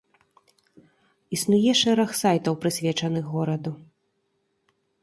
Існуе шэраг сайтаў, прысвечаных гораду.